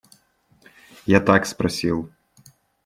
Я так спросил.